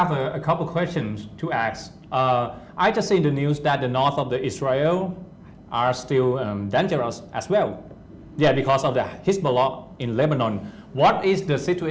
เอาไปใช้เป็นความทรงประสบุกับจันทนารแหละ